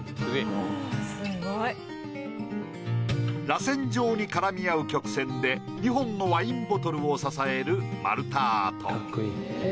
らせん状に絡み合う曲線で２本のワインボトルを支える丸太アート。